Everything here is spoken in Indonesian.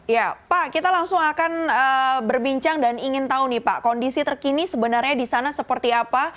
ya pak kita langsung akan berbincang dan ingin tahu nih pak kondisi terkini sebenarnya di sana seperti apa